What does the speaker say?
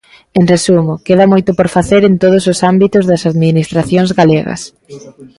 En resumo, queda moito por facer en todos os ámbitos das administracións galegas.